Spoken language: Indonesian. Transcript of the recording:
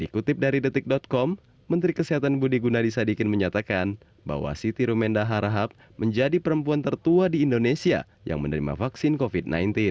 dikutip dari detik com menteri kesehatan budi gunadisadikin menyatakan bahwa siti rumenda harahap menjadi perempuan tertua di indonesia yang menerima vaksin covid sembilan belas